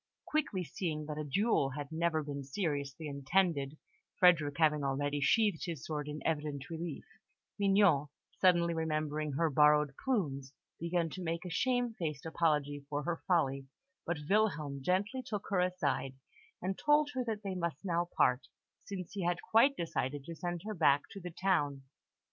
Quickly seeing that a duel had never been seriously intended Frederick having already sheathed his sword in evident relief Mignon, suddenly remembering her borrowed plumes, began to make a shamefaced apology for her folly; but Wilhelm gently took her aside, and told her that they must now part, since he had quite decided to send her back to the town.